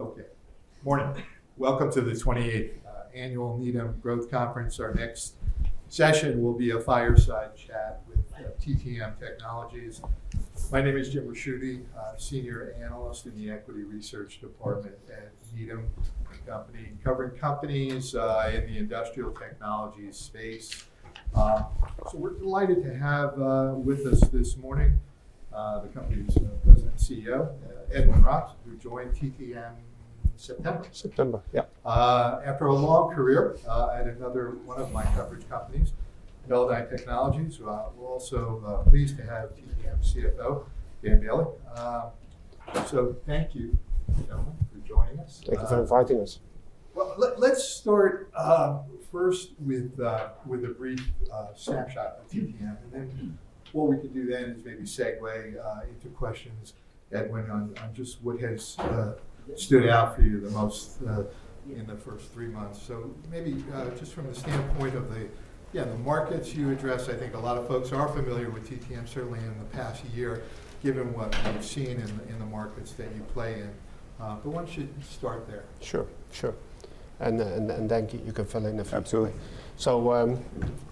Okay. Morning. Welcome to the 28th Annual Needham & Company Growth Conference. Our next session will be a fireside chat with TTM Technologies. My name is Jim Ricchiuti, Senior Analyst in the Equity Research Department at Needham & Company, a company covering companies in the industrial technology space. So we're delighted to have with us this morning the company's President and CEO, Edwin Roks, who joined TTM in September. September, yeah. After a long career at another one of my coverage companies, Teledyne Technologies, we're also pleased to have TTM CFO, Dan Boehle, so thank you, gentlemen, for joining us. Thank you for inviting us. Let's start first with a brief snapshot of TTM, and then what we can do then is maybe segue into questions, Edwin, on just what has stood out for you the most in the first three months. Maybe just from the standpoint of the, yeah, the markets you address, I think a lot of folks are familiar with TTM, certainly in the past year, given what we've seen in the markets that you play in. But why don't you start there? Sure, sure. And then you can fill in if you want. Absolutely. So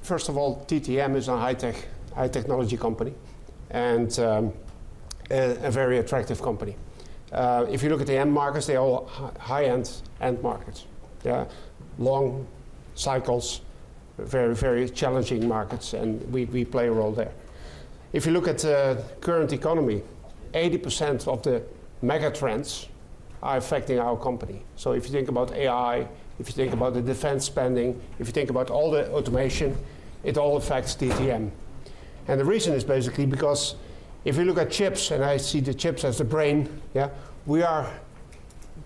first of all, TTM is a high-tech technology company and a very attractive company. If you look at the end markets, they are all high-end markets, yeah, long cycles, very, very challenging markets, and we play a role there. If you look at the current economy, 80% of the megatrends are affecting our company. So if you think about AI, if you think about the defense spending, if you think about all the automation, it all affects TTM. And the reason is basically because if you look at chips, and I see the chips as the brain, yeah, we are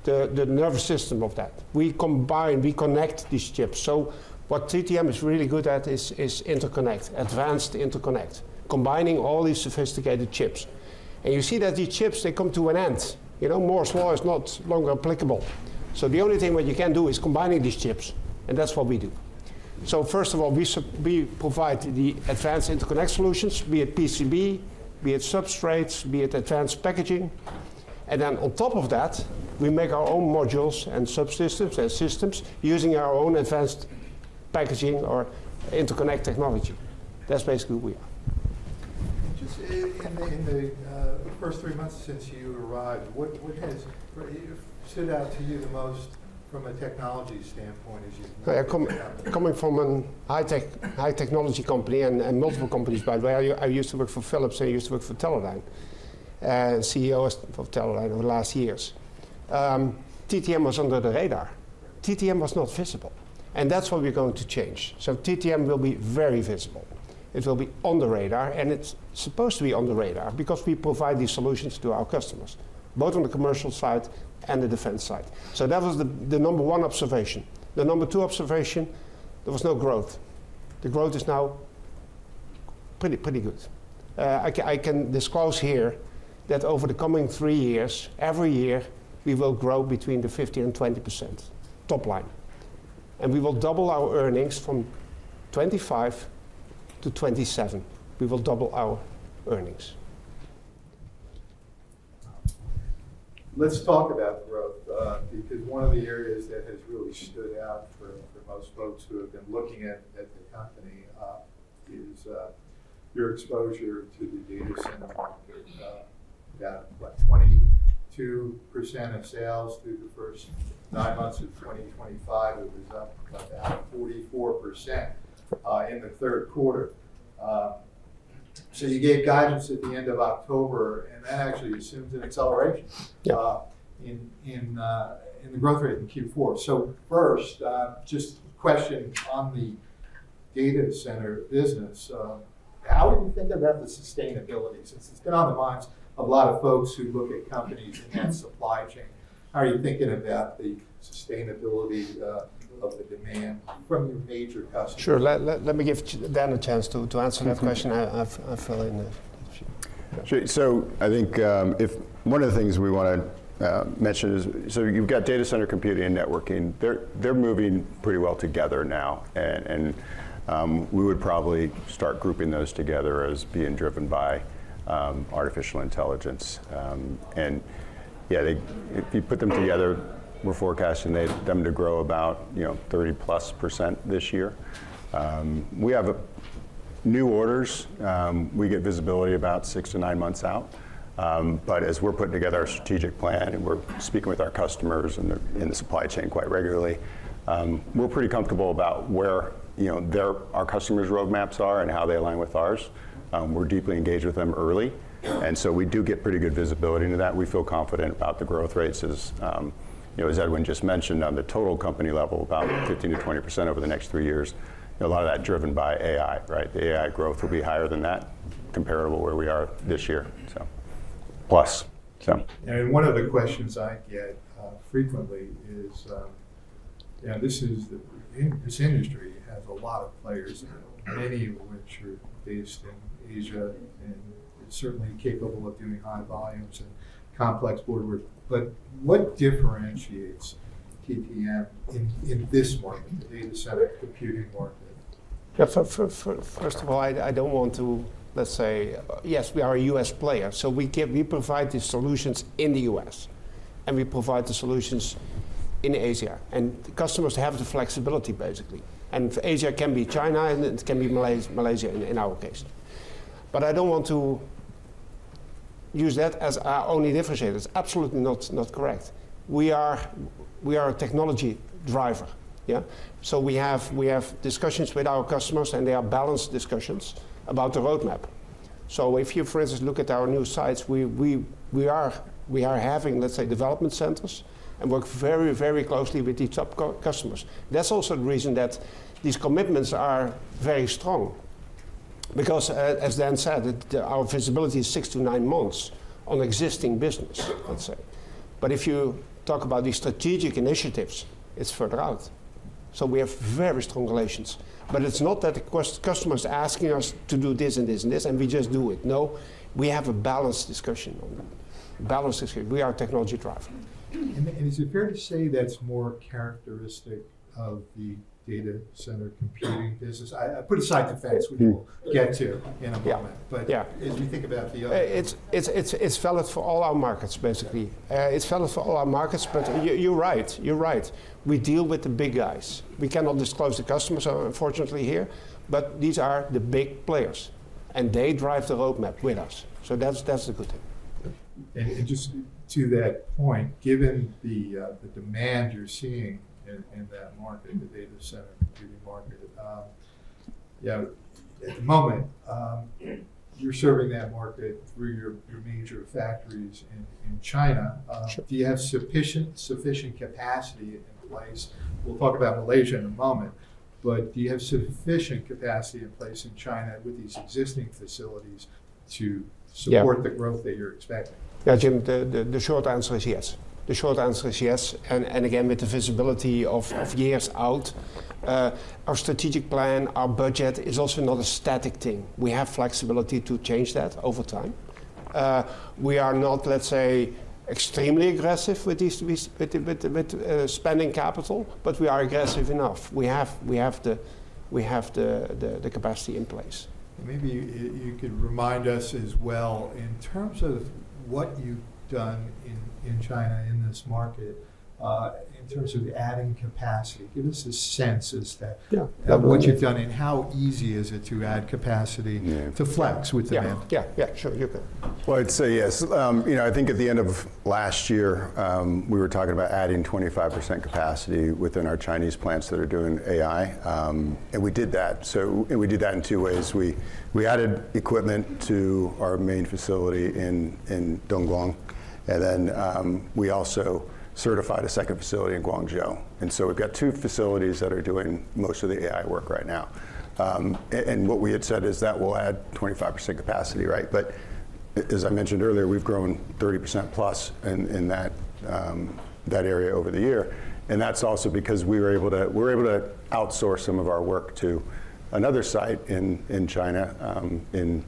the nervous system of that. We combine, we connect these chips. So what TTM is really good at is interconnect, advanced interconnect, combining all these sophisticated chips. And you see that these chips, they come to an end. You know, more and smaller is no longer applicable. So the only thing that you can do is combining these chips, and that's what we do. So first of all, we provide the advanced interconnect solutions, be it PCB, be it substrates, be it advanced packaging. And then on top of that, we make our own modules and subsystems and systems using our own advanced packaging or interconnect technology. That's basically who we are. Just in the first three months since you arrived, what has stood out to you the most from a technology standpoint as you've been? Coming from a high-tech technology company and multiple companies, by the way, I used to work for Philips and I used to work for Teledyne, CEO of Teledyne over the last years. TTM was under the radar. TTM was not visible, and that's what we're going to change. So TTM will be very visible. It will be on the radar, and it's supposed to be on the radar because we provide these solutions to our customers, both on the commercial side and the defense side. So that was the number one observation. The number two observation, there was no growth. The growth is now pretty, pretty good. I can disclose here that over the coming three years, every year we will grow between 5 and 20% top line. And we will double our earnings from 2025 to 2027. We will double our earnings. Let's talk about growth because one of the areas that has really stood out for most folks who have been looking at the company is your exposure to the data center market. About 22% of sales through the first nine months of 2025. It was up about 44% in the third quarter. So you gave guidance at the end of October, and that actually assumes an acceleration in the growth rate in Q4. So first, just a question on the data center business. How are you thinking about the sustainability? Since it's been on the minds of a lot of folks who look at companies and that supply chain, how are you thinking about the sustainability of the demand from your major customers? Sure. Let me give Dan a chance to answer that question. I'll fill in if she. Sure. So I think one of the things we want to mention is, so you've got data center computing and networking. They're moving pretty well together now, and we would probably start grouping those together as being driven by artificial intelligence. And yeah, if you put them together, we're forecasting them to grow about 30%+ this year. We have new orders. We get visibility about six to nine months out. But as we're putting together our strategic plan and we're speaking with our customers in the supply chain quite regularly, we're pretty comfortable about where our customers' roadmaps are and how they align with ours. We're deeply engaged with them early. And so we do get pretty good visibility into that. We feel confident about the growth rates as Edwin just mentioned on the total company level, about 15%-20% over the next three years. A lot of that driven by AI, right? The AI growth will be higher than that, comparable where we are this year, so. Plus, so. One of the questions I get frequently is, this industry has a lot of players, many of which are based in Asia and certainly capable of doing high volumes and complex board work. But what differentiates TTM in this market, the data center computing market? Yeah, first of all, I don't want to, let's say, yes, we are a U.S. player. So we provide the solutions in the U.S., and we provide the solutions in Asia. And customers have the flexibility, basically. And Asia can be China, and it can be Malaysia in our case. But I don't want to use that as our only differentiator. It's absolutely not correct. We are a technology driver, yeah? So we have discussions with our customers, and they are balanced discussions about the roadmap. So if you, for instance, look at our new sites, we are having, let's say, development centers and work very, very closely with the top customers. That's also the reason that these commitments are very strong. Because, as Dan said, our visibility is six to nine months on existing business, let's say. But if you talk about these strategic initiatives, it's further out. So we have very strong relations. But it's not that the customer is asking us to do this and this and this, and we just do it. No, we have a balanced discussion on that. Balanced discussion. We are a technology driver. Is it fair to say that's more characteristic of the data center computing business? I put aside defense, which we'll get to in a moment, but as you think about the other. It's valid for all our markets, basically. It's valid for all our markets, but you're right. You're right. We deal with the big guys. We cannot disclose the customers, unfortunately, here, but these are the big players, and they drive the roadmap with us. So that's the good thing. And just to that point, given the demand you're seeing in that market, the Data Center Computing market, yeah, at the moment, you're serving that market through your major factories in China. Do you have sufficient capacity in place? We'll talk about Malaysia in a moment, but do you have sufficient capacity in place in China with these existing facilities to support the growth that you're expecting? Yeah, Jim, the short answer is yes. The short answer is yes. And again, with the visibility of years out, our strategic plan, our budget is also not a static thing. We have flexibility to change that over time. We are not, let's say, extremely aggressive with spending capital, but we are aggressive enough. We have the capacity in place. Maybe you could remind us as well, in terms of what you've done in China in this market, in terms of adding capacity, give us a sense as to what you've done and how easy is it to add capacity to flex with demand? Yeah, yeah, yeah, sure, you can. I'd say yes. You know, I think at the end of last year, we were talking about adding 25% capacity within our Chinese plants that are doing AI, and we did that. So we did that in two ways. We added equipment to our main facility in Dongguan, and then we also certified a second facility in Guangzhou. And so we've got two facilities that are doing most of the AI work right now. And what we had said is that we'll add 25% capacity, right? But as I mentioned earlier, we've grown 30%+ in that area over the year. And that's also because we were able to outsource some of our work to another site in China, in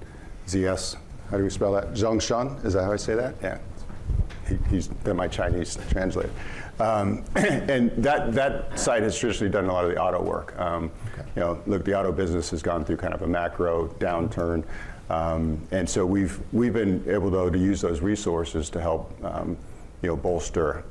ZS. How do we spell that? Zhongshan, is that how I say that? Yeah. He's been my Chinese translator. And that site has traditionally done a lot of the auto work. You know, the auto business has gone through kind of a macro downturn. And so we've been able, though, to use those resources to help bolster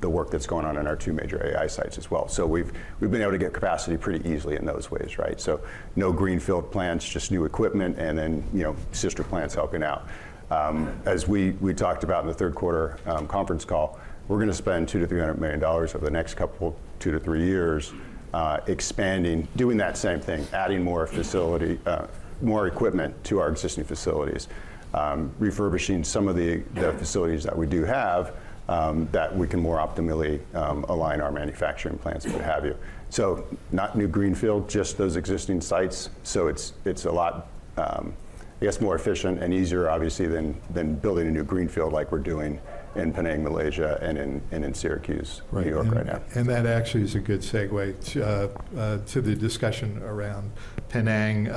the work that's going on in our two major AI sites as well. So we've been able to get capacity pretty easily in those ways, right? So no greenfield plants, just new equipment, and then sister plants helping out. As we talked about in the third quarter conference call, we're going to spend $200 million-$300 million over the next couple of two to three years expanding, doing that same thing, adding more equipment to our existing facilities, refurbishing some of the facilities that we do have that we can more optimally align our manufacturing plants and what have you. So not new greenfield, just those existing sites. It's a lot, I guess, more efficient and easier, obviously, than building a new greenfield like we're doing in Penang, Malaysia, and in Syracuse, New York right now. That actually is a good segue to the discussion around Penang. You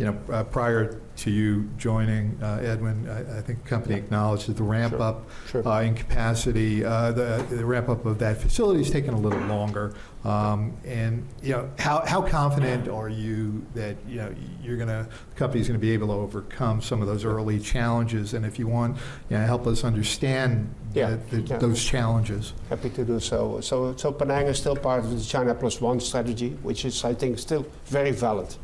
know, prior to you joining, Edwin, I think the company acknowledged that the ramp-up in capacity, the ramp-up of that facility has taken a little longer. How confident are you that the company is going to be able to overcome some of those early challenges? If you want, help us understand those challenges. Happy to do so. So Penang is still part of the China Plus One strategy, which is, I think, still very valid.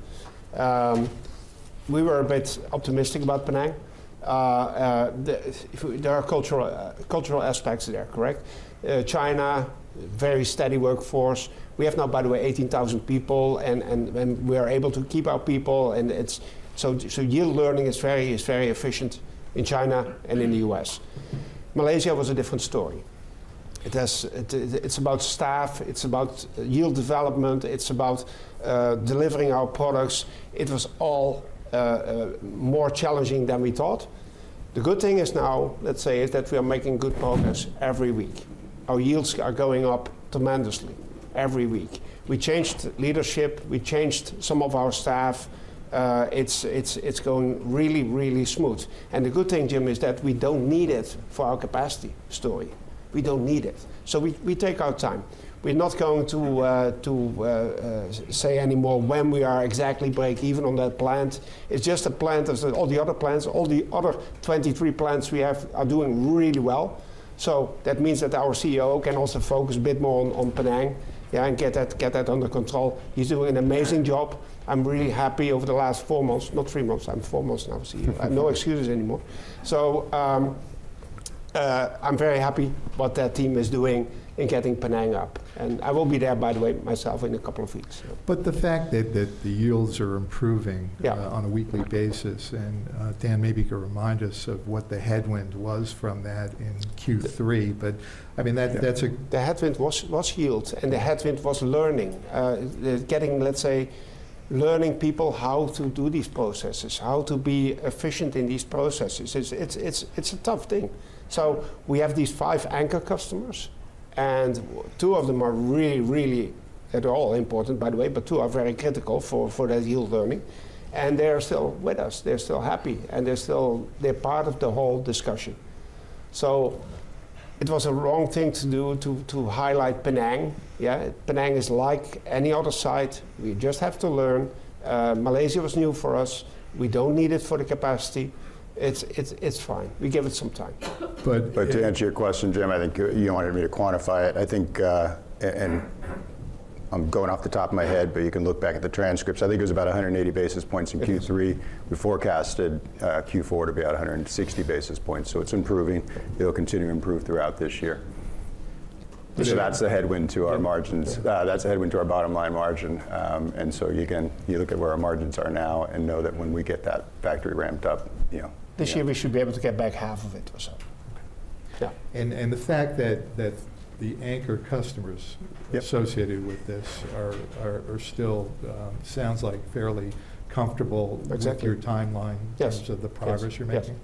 We were a bit optimistic about Penang. There are cultural aspects there, correct? China, very steady workforce. We have now, by the way, 18,000 people, and we are able to keep our people. And so yield learning is very efficient in China and in the U.S. Malaysia was a different story. It's about staff, it's about yield development, it's about delivering our products. It was all more challenging than we thought. The good thing is now, let's say, that we are making good progress every week. Our yields are going up tremendously every week. We changed leadership, we changed some of our staff. It's going really, really smooth. And the good thing, Jim, is that we don't need it for our capacity story. We don't need it. So we take our time. We're not going to say anymore when we are exactly break even on that plant. It's just a plant of all the other plants. All the other 23 plants we have are doing really well. So that means that our CEO can also focus a bit more on Penang, yeah, and get that under control. He's doing an amazing job. I'm really happy over the last four months, not three months, I'm four months now with CEO. I have no excuses anymore. So I'm very happy what that team is doing in getting Penang up. And I will be there, by the way, myself in a couple of weeks. But the fact that the yields are improving on a weekly basis, and Dan, maybe you could remind us of what the headwind was from that in Q3, but I mean. The headwind was yields, and the headwind was learning. Getting, let's say, learning people how to do these processes, how to be efficient in these processes. It's a tough thing. So we have these five anchor customers, and two of them are really, really at all important, by the way, but two are very critical for that yield learning. And they're still with us. They're still happy, and they're still part of the whole discussion. So it was a wrong thing to do to highlight Penang, yeah? Penang is like any other site. We just have to learn. Malaysia was new for us. We don't need it for the capacity. It's fine. We give it some time. But to answer your question, Jim, I think you don't want me to quantify it. I think, and I'm going off the top of my head, but you can look back at the transcripts. I think it was about 180 basis points in Q3. We forecasted Q4 to be at 160 basis points. So it's improving. It'll continue to improve throughout this year. So that's the headwind to our margins. That's the headwind to our bottom line margin. And so you look at where our margins are now and know that when we get that factory ramped up, you know. This year we should be able to get back half of it or so. The fact that the anchor customers associated with this are still, sounds like, fairly comfortable with your timeline in terms of the progress you're making.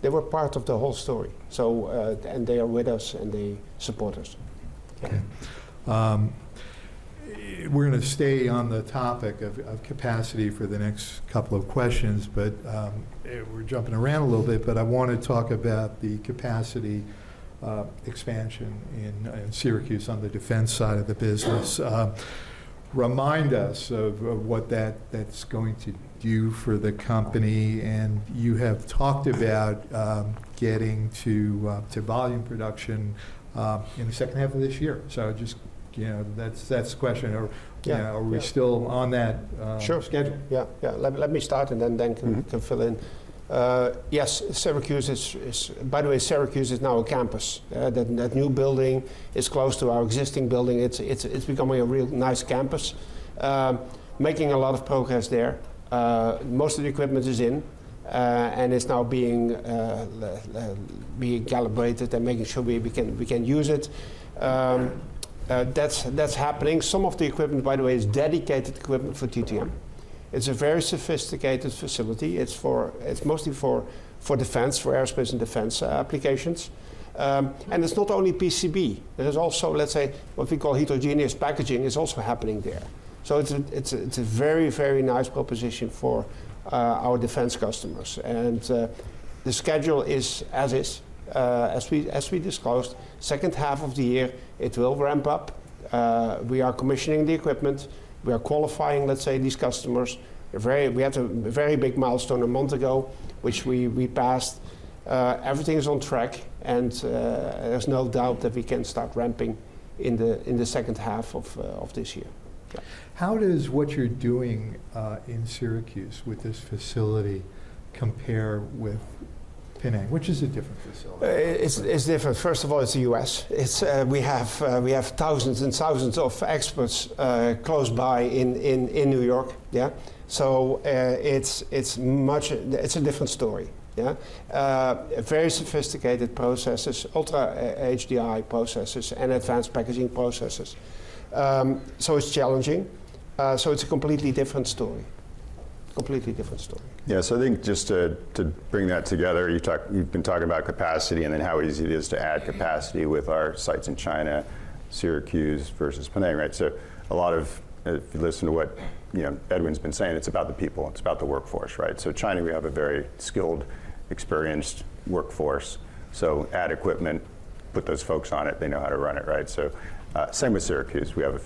They were part of the whole story and they are with us, and they support us. We're going to stay on the topic of capacity for the next couple of questions, but we're jumping around a little bit, but I want to talk about the capacity expansion in Syracuse on the defense side of the business. Remind us of what that's going to do for the company, and you have talked about getting to volume production in the second half of this year, so just that's the question. Are we still on that schedule? Sure. Yeah, yeah. Let me start, and then Dan can fill in. Yes, Syracuse is, by the way, Syracuse is now a campus. That new building is close to our existing building. It's becoming a real nice campus. Making a lot of progress there. Most of the equipment is in, and it's now being calibrated and making sure we can use it. That's happening. Some of the equipment, by the way, is dedicated equipment for TTM. It's a very sophisticated facility. It's mostly for defense, for aerospace and defense applications. And it's not only PCB. There's also, let's say, what we call heterogeneous packaging is also happening there. So it's a very, very nice proposition for our defense customers. And the schedule is as is, as we disclosed. Second half of the year, it will ramp up. We are commissioning the equipment. We are qualifying, let's say, these customers. We had a very big milestone a month ago, which we passed. Everything is on track, and there's no doubt that we can start ramping in the second half of this year. How does what you're doing in Syracuse with this facility compare with Penang, which is a different facility? It's different. First of all, it's the U.S. We have thousands and thousands of experts close by in New York, yeah? So it's a different story, yeah? Very sophisticated processes, Ultra HDI processes, and Advanced Packaging processes. So it's challenging. So it's a completely different story. Completely different story. Yeah, so I think just to bring that together, you've been talking about capacity and then how easy it is to add capacity with our sites in China, Syracuse versus Penang, right? So a lot of, if you listen to what Edwin's been saying, it's about the people. It's about the workforce, right? So China, we have a very skilled, experienced workforce. So add equipment, put those folks on it. They know how to run it, right? So same with Syracuse. We have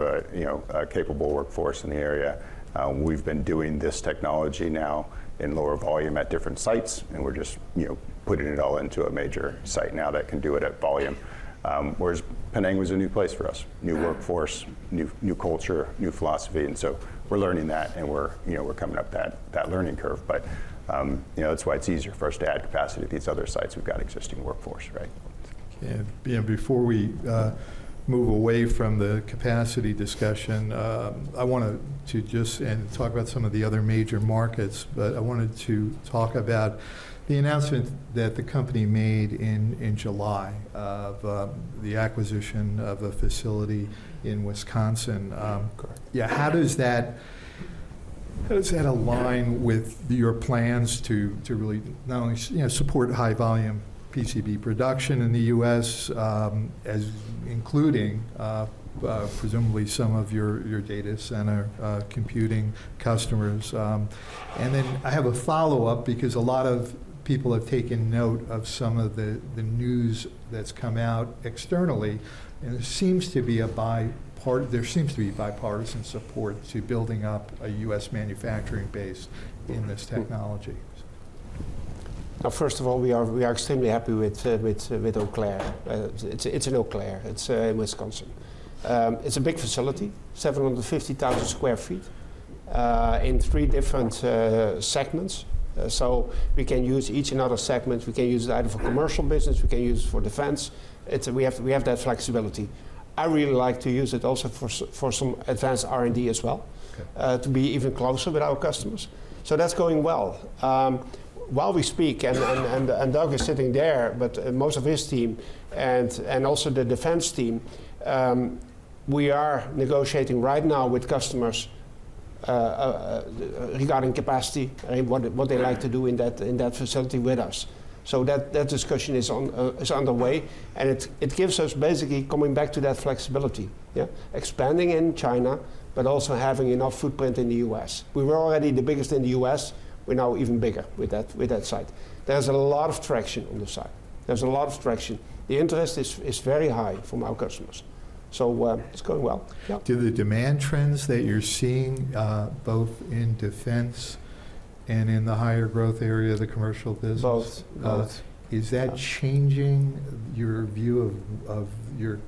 a capable workforce in the area. We've been doing this technology now in lower volume at different sites, and we're just putting it all into a major site now that can do it at volume. Whereas Penang was a new place for us, new workforce, new culture, new philosophy. And so we're learning that, and we're coming up that learning curve. But that's why it's easier for us to add capacity to these other sites. We've got existing workforce, right? Yeah. Before we move away from the capacity discussion, I wanted to just talk about some of the other major markets, but I wanted to talk about the announcement that the company made in July of the acquisition of a facility in Wisconsin. Yeah, how does that align with your plans to really not only support high volume PCB production in the U.S., including presumably some of your data center computing customers? And then I have a follow-up because a lot of people have taken note of some of the news that's come out externally, and there seems to be a bipartisan support to building up a U.S. manufacturing base in this technology. Now, first of all, we are extremely happy with Eau Claire. It's in Eau Claire. It's in Wisconsin. It's a big facility, 750,000 sq ft in three different segments. So we can use each and other segment. We can use it out of a commercial business. We can use it for defense. We have that flexibility. I really like to use it also for some advanced R&D as well, to be even closer with our customers. So that's going well. While we speak, and Doug is sitting there, but most of his team, and also the defense team, we are negotiating right now with customers regarding capacity, what they like to do in that facility with us. So that discussion is underway, and it gives us basically coming back to that flexibility, yeah? Expanding in China, but also having enough footprint in the U.S. We were already the biggest in the U.S. We're now even bigger with that site. There's a lot of traction on the site. There's a lot of traction. The interest is very high from our customers. So it's going well. Do the demand trends that you're seeing both in defense and in the higher growth area of the commercial business? Both, both. Is that changing your view of your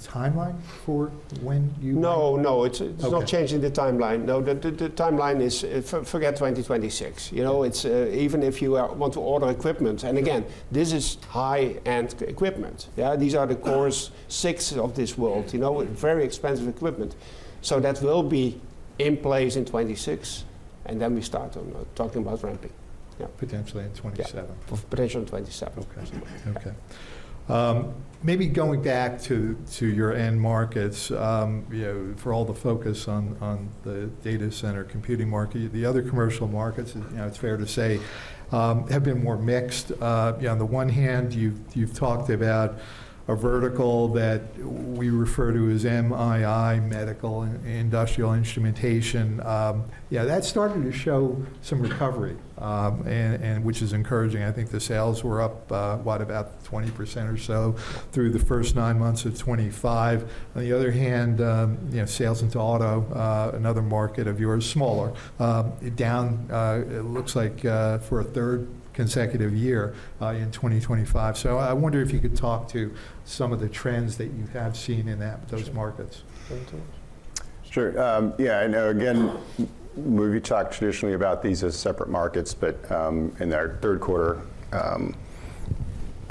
timeline for when you? No, no. It's not changing the timeline. No, the timeline is for 2026. You know, even if you want to order equipment, and again, this is high-end equipment, yeah? These are the Core 6 of this world, you know? Very expensive equipment. So that will be in place in 2026, and then we start talking about ramping. Potentially in 2027. Potentially in 2027. Okay. Okay. Maybe going back to your end markets, for all the focus on the data center computing market, the other commercial markets, it's fair to say, have been more mixed. On the one hand, you've talked about a vertical that we refer to as MII, medical and industrial instrumentation. Yeah, that's starting to show some recovery, which is encouraging. I think the sales were up, what, about 20% or so through the first nine months of 2025. On the other hand, sales into auto, another market of yours, smaller, down, it looks like, for a third consecutive year in 2025. So I wonder if you could talk to some of the trends that you have seen in those markets. Sure. Yeah. And again, we talk traditionally about these as separate markets, but in our third quarter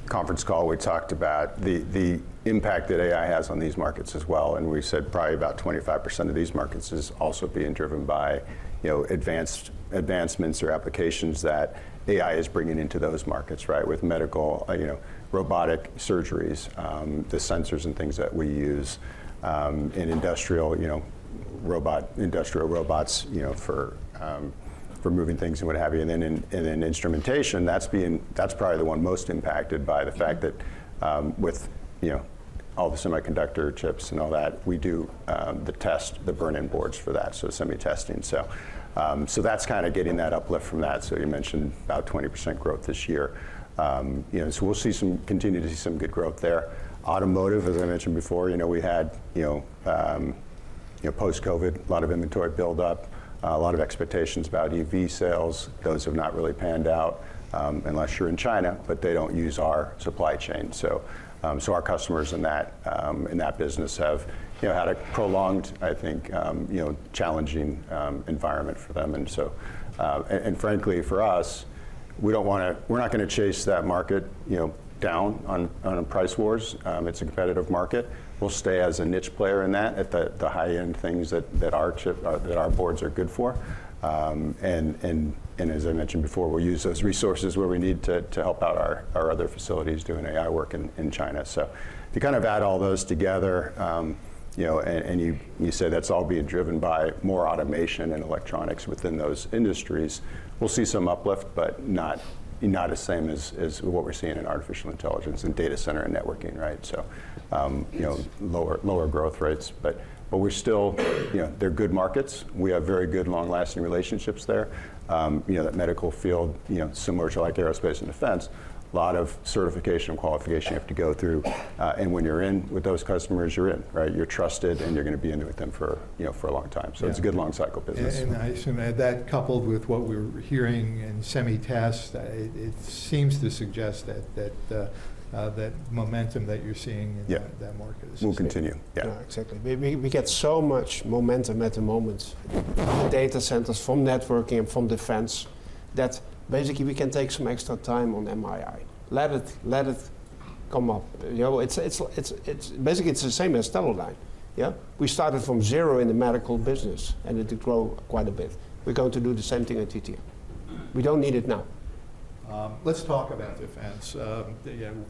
conference call, we talked about the impact that AI has on these markets as well. And we said probably about 25% of these markets is also being driven by advancements or applications that AI is bringing into those markets, right? With medical, robotic surgeries, the sensors and things that we use in industrial robots, for moving things and what have you. And then instrumentation, that's probably the one most impacted by the fact that with all the semiconductor chips and all that, we do the test, the burn-in boards for that, so semi-testing. So that's kind of getting that uplift from that. So you mentioned about 20% growth this year. So we'll continue to see some good growth there. Automotive, as I mentioned before, we had post-COVID, a lot of inventory buildup, a lot of expectations about EV sales. Those have not really panned out unless you're in China, but they don't use our supply chain. So our customers in that business have had a prolonged, I think, challenging environment for them. And frankly, for us, we're not going to chase that market down on price wars. It's a competitive market. We'll stay as a niche player in that, at the high-end things that our chip, that our boards are good for. And as I mentioned before, we'll use those resources where we need to help out our other facilities doing AI work in China. So if you kind of add all those together, and you say that's all being driven by more automation and electronics within those industries, we'll see some uplift, but not the same as what we're seeing in artificial intelligence and data center and networking, right? So lower growth rates, but we're still, they're good markets. We have very good long-lasting relationships there. That medical field, similar to like aerospace and defense, a lot of certification and qualification you have to go through. And when you're in with those customers, you're in, right? You're trusted, and you're going to be in with them for a long time. So it's a good long-cycle business. Very nice. And that coupled with what we're hearing in semi-test, it seems to suggest that momentum that you're seeing in that market is. Will continue, yeah. Exactly. We get so much momentum at the moment from the data centers, from networking, and from defense, that basically we can take some extra time on MII. Let it come up. Basically, it's the same as Teledyne, yeah? We started from zero in the medical business, and it did grow quite a bit. We're going to do the same thing at TTM. We don't need it now. Let's talk about defense.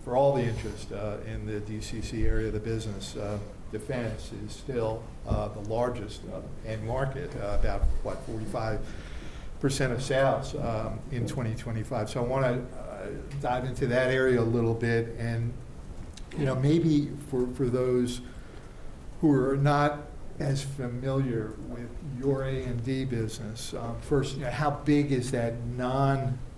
For all the interest in the DCC area of the business, defense is still the largest end market, about what, 45% of sales in 2025. So I want to dive into that area a little bit, and maybe for those who are not as familiar with your A&D business, first, how big is that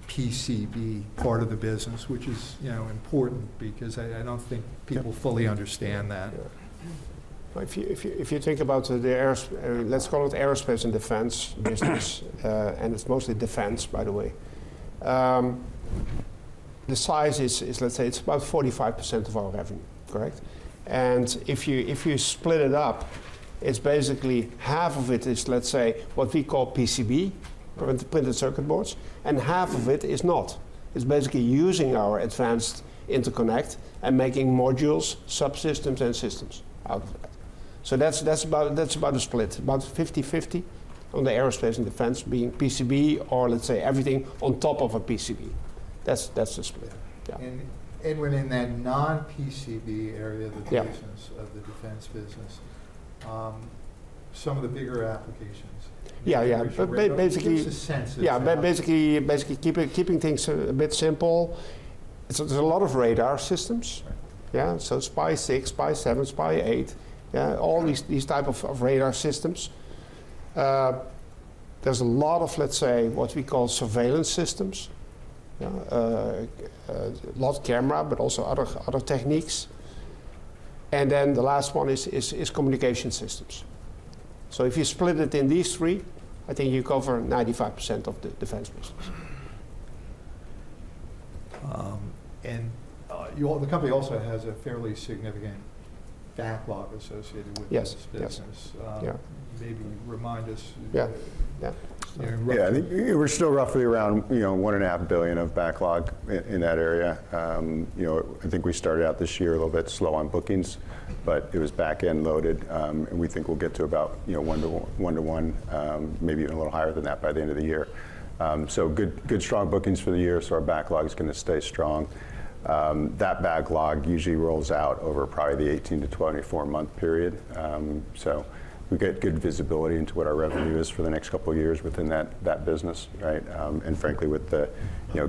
non-PCB part of the business, which is important because I don't think people fully understand that. If you think about the, let's call it aerospace and defense business, and it's mostly defense, by the way, the size is, let's say, it's about 45% of our revenue, correct? And if you split it up, it's basically half of it is, let's say, what we call PCB, printed circuit boards, and half of it is not. It's basically using our advanced interconnect and making modules, subsystems, and systems out of that. So that's about a split, about 50-50 on the aerospace and defense being PCB or, let's say, everything on top of a PCB. That's the split, yeah. And, when in that non-PCB area of the defense business, some of the bigger applications. Yeah, yeah. Basically. Give us a sense of. Yeah, basically keeping things a bit simple. There's a lot of radar systems, yeah? So SPY-6, SPY-7, SPY-8, yeah? All these types of radar systems. There's a lot of, let's say, what we call surveillance systems, a lot of camera, but also other techniques. And then the last one is communication systems. So if you split it in these three, I think you cover 95% of the defense business. The company also has a fairly significant backlog associated with this business. Maybe remind us. Yeah, yeah. Yeah, we're still roughly around $1.5 billion of backlog in that area. I think we started out this year a little bit slow on bookings, but it was back-end loaded, and we think we'll get to about 1 to 1, maybe even a little higher than that by the end of the year. So good, strong bookings for the year, so our backlog is going to stay strong. That backlog usually rolls out over probably the 18-24-month period. So we get good visibility into what our revenue is for the next couple of years within that business, right? And frankly, with the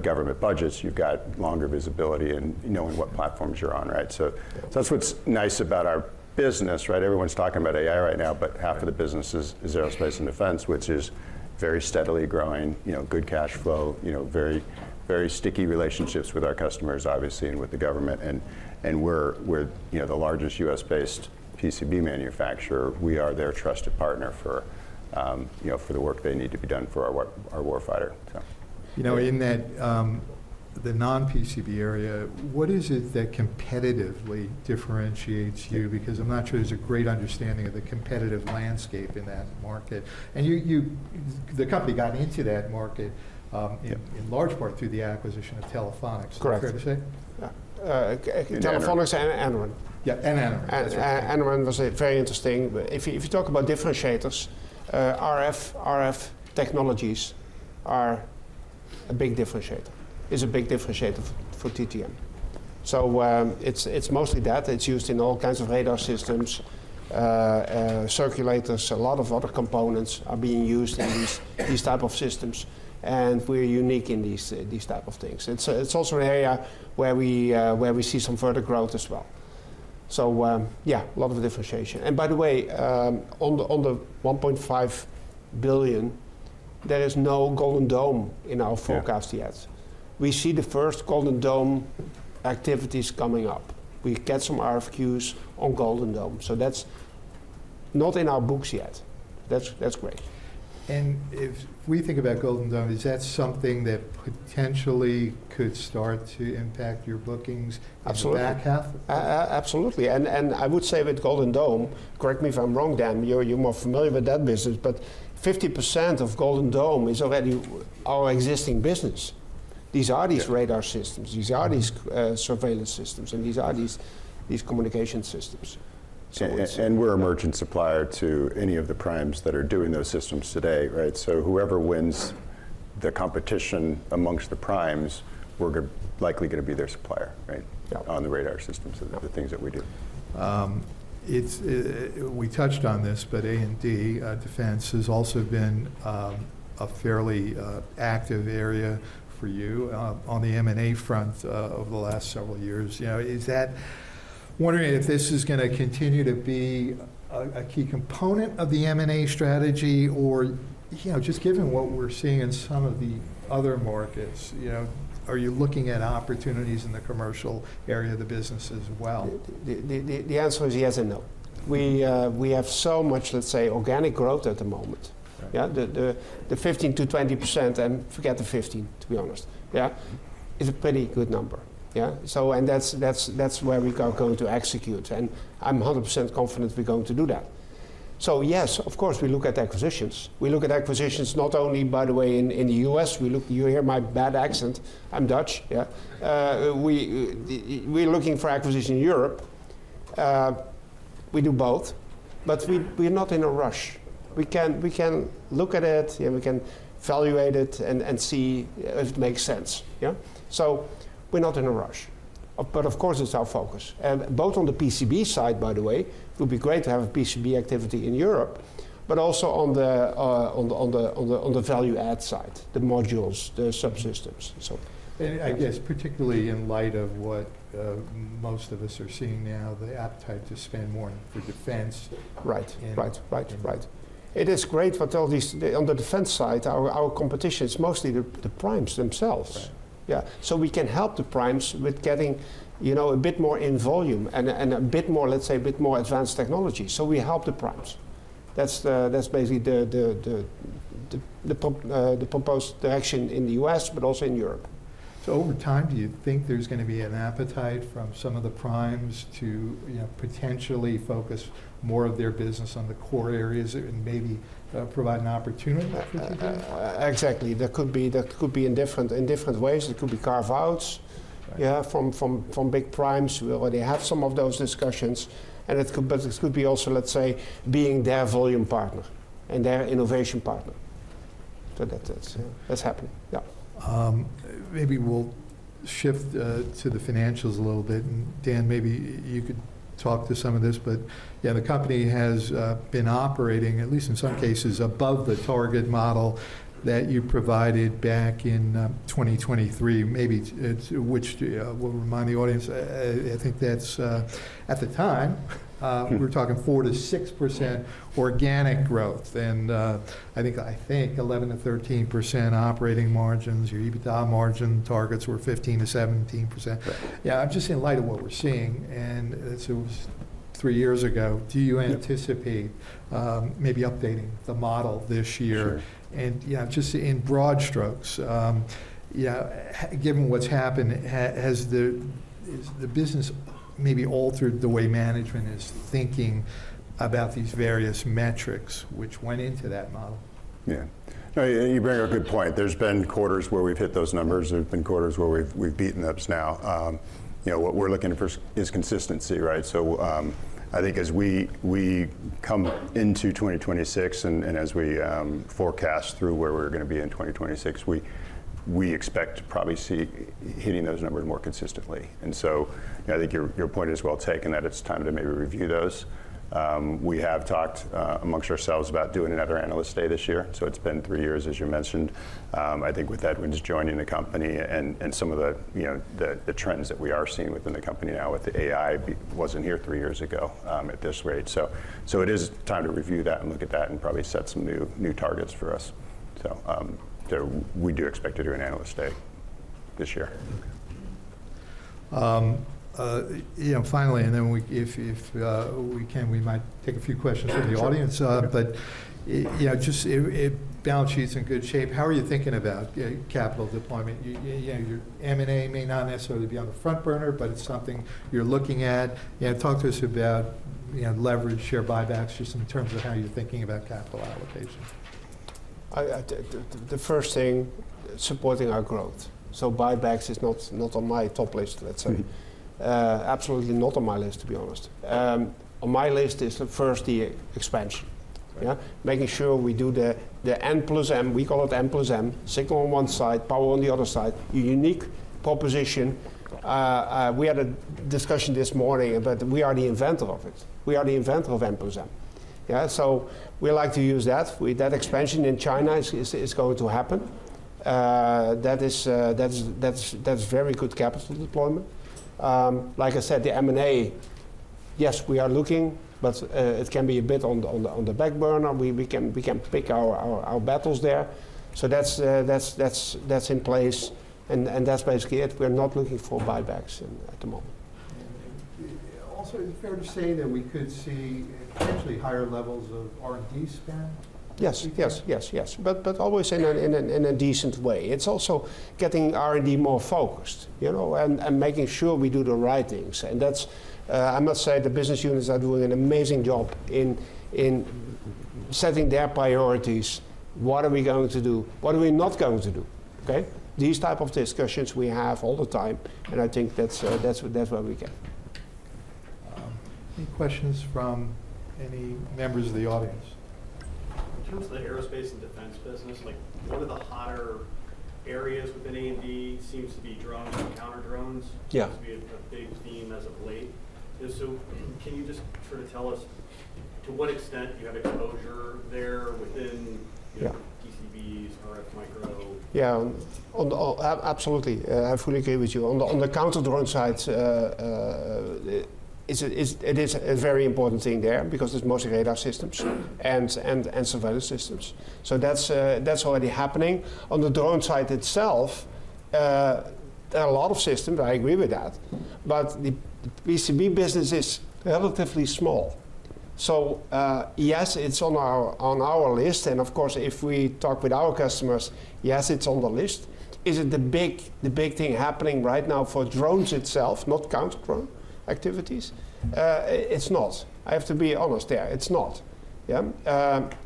government budgets, you've got longer visibility in knowing what platforms you're on, right? So that's what's nice about our business, right? Everyone's talking about AI right now, but half of the business is aerospace and defense, which is very steadily growing, good cash flow, very sticky relationships with our customers, obviously, and with the government, and we're the largest U.S.-based PCB manufacturer. We are their trusted partner for the work they need to be done for our war fighter, so. You know, in the non-PCB area, what is it that competitively differentiates you? Because I'm not sure there's a great understanding of the competitive landscape in that market. And the company got into that market in large part through the acquisition of Telephonics. Is that fair to say? Telephonics and Anaren. Yeah, and Anaren. And Anaren was a very interesting. If you talk about differentiators, RF technologies are a big differentiator, is a big differentiator for TTM. So it's mostly that. It's used in all kinds of radar systems, circulators. A lot of other components are being used in these types of systems, and we're unique in these types of things. It's also an area where we see some further growth as well. So yeah, a lot of differentiation. And by the way, on the $1.5 billion, there is no Golden Dome in our forecast yet. We see the first Golden Dome activities coming up. We get some RFQs on Golden Dome. So that's not in our books yet. That's great. If we think about Golden Dome, is that something that potentially could start to impact your bookings in the back half? Absolutely. And I would say with Golden Dome, correct me if I'm wrong, Dan, you're more familiar with that business, but 50% of Golden Dome is already our existing business. These are these radar systems, these are these surveillance systems, and these are these communication systems. And we're an emerging supplier to any of the primes that are doing those systems today, right? So whoever wins the competition amongst the primes, we're likely going to be their supplier, right? On the radar systems, the things that we do. We touched on this, but A&D defense has also been a fairly active area for you on the M&A front over the last several years. I'm wondering if this is going to continue to be a key component of the M&A strategy, or just given what we're seeing in some of the other markets, are you looking at opportunities in the commercial area of the business as well? The answer is yes and no. We have so much, let's say, organic growth at the moment, yeah? The 15%-20%, and forget the 15, to be honest, yeah? It's a pretty good number, yeah? And that's where we are going to execute, and I'm 100% confident we're going to do that. So yes, of course, we look at acquisitions. We look at acquisitions not only, by the way, in the U.S. You hear my bad accent. I'm Dutch, yeah? We're looking for acquisition in Europe. We do both, but we're not in a rush. We can look at it, and we can evaluate it and see if it makes sense, yeah? So we're not in a rush. But of course, it's our focus. Both on the PCB side, by the way, it would be great to have a PCB activity in Europe, but also on the value-add side, the modules, the subsystems, and so on. I guess particularly in light of what most of us are seeing now, the appetite to spend more for defense. Right, right, right. It is great for all these on the defense side, our competition is mostly the primes themselves, yeah? So we can help the primes with getting a bit more in volume and a bit more, let's say, a bit more advanced technology. So we help the primes. That's basically the proposed direction in the U.S., but also in Europe. Over time, do you think there's going to be an appetite from some of the primes to potentially focus more of their business on the core areas and maybe provide an opportunity for TTM? Exactly. That could be in different ways. It could be carve-outs, yeah, from big primes. We already have some of those discussions. And it could be also, let's say, being their volume partner and their innovation partner. So that's happening, yeah. Maybe we'll shift to the financials a little bit. And Dan, maybe you could talk to some of this, but yeah, the company has been operating, at least in some cases, above the target model that you provided back in 2023, maybe, which will remind the audience. I think that's at the time, we're talking 4%-6% organic growth. And I think 11%-13% operating margins, your EBITDA margin targets were 15%-17%. Yeah, I'm just in light of what we're seeing. And so it was three years ago. Do you anticipate maybe updating the model this year? And just in broad strokes, given what's happened, has the business maybe altered the way management is thinking about these various metrics which went into that model? Yeah, and you bring up a good point. There's been quarters where we've hit those numbers. There have been quarters where we've beaten those now. What we're looking for is consistency, right? So I think as we come into 2026 and as we forecast through where we're going to be in 2026, we expect to probably see hitting those numbers more consistently. And so I think your point is well taken that it's time to maybe review those. We have talked amongst ourselves about doing another analyst day this year, so it's been three years, as you mentioned. I think with Edwin's joining the company and some of the trends that we are seeing within the company now with the AI wasn't here three years ago at this rate, so it is time to review that and look at that and probably set some new targets for us. We do expect to do an analyst day this year. Okay. Finally, and then if we can, we might take a few questions from the audience. But just balance sheet's in good shape. How are you thinking about capital deployment? Your M&A may not necessarily be on the front burner, but it's something you're looking at. Talk to us about leverage, share buybacks just in terms of how you're thinking about capital allocation. The first thing, supporting our growth. So buybacks is not on my top list, let's say. Absolutely not on my list, to be honest. On my list is first the expansion, yeah? Making sure we do the N+N. We call it N+N. Signal on one side, power on the other side. Unique proposition. We had a discussion this morning about we are the inventor of it. We are the inventor of N+N, yeah? So we like to use that. That expansion in China is going to happen. That is very good capital deployment. Like I said, the M&A, yes, we are looking, but it can be a bit on the back burner. We can pick our battles there. So that's in place, and that's basically it. We're not looking for buybacks at the moment. Also, is it fair to say that we could see potentially higher levels of R&D spend? Yes, yes, yes, yes. But always in a decent way. It's also getting R&D more focused and making sure we do the right things. And I must say the business units are doing an amazing job in setting their priorities. What are we going to do? What are we not going to do? Okay? These types of discussions we have all the time, and I think that's where we get. Any questions from any members of the audience? In terms of the aerospace and defense business, what are the hotter areas within A&D? Seems to be drones and counter-drones, seems to be a big theme as of late. So can you just sort of tell us to what extent you have exposure there within PCBs, RF micro? Yeah, absolutely. I fully agree with you. On the counter-drone side, it is a very important thing there because it's mostly radar systems and surveillance systems. So that's already happening. On the drone side itself, there are a lot of systems. I agree with that. But the PCB business is relatively small. So yes, it's on our list. And of course, if we talk with our customers, yes, it's on the list. Is it the big thing happening right now for drones itself, not counter-drone activities? It's not. I have to be honest there. It's not, yeah?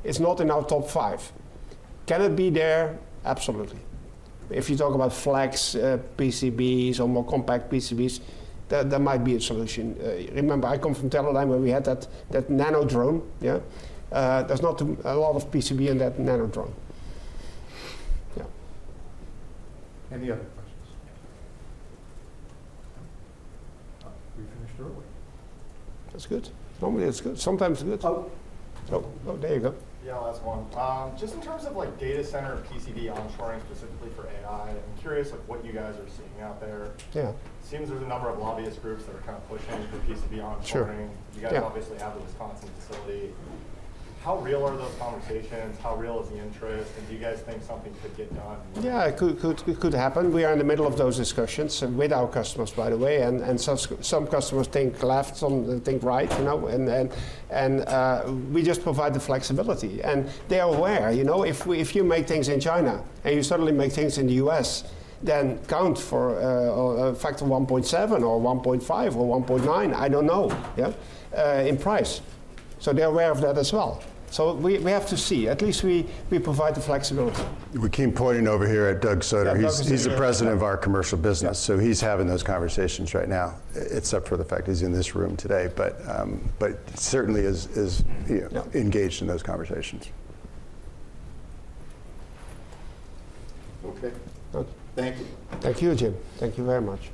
It's not in our top five. Can it be there? Absolutely. If you talk about flex PCBs or more compact PCBs, that might be a solution. Remember, I come from Teledyne where we had that nano drone, yeah? There's not a lot of PCB in that nano drone, yeah. Any other questions? We finished early. That's good. Normally, it's good. Sometimes it's good. Oh, there you go. Yeah, last one. Just in terms of data center PCB onshoring specifically for AI, I'm curious what you guys are seeing out there. It seems there's a number of lobbyist groups that are kind of pushing for PCB onshoring. You guys obviously have the Wisconsin facility. How real are those conversations? How real is the interest? And do you guys think something could get done? Yeah, it could happen. We are in the middle of those discussions with our customers, by the way. And some customers think left, some think right. And we just provide the flexibility. And they're aware. If you make things in China and you suddenly make things in the US, then account for a factor of 1.7 or 1.5 or 1.9, I don't know, yeah? In price. So they're aware of that as well. So we have to see. At least we provide the flexibility. We keep pointing over here at Doug Soder. He's the President of our commercial business, so he's having those conversations right now, except for the fact he's in this room today, but certainly is engaged in those conversations. Okay. Thank you. Thank you, Jim. Thank you very much.